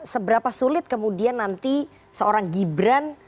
seberapa sulit kemudian nanti apa yang akan diberikan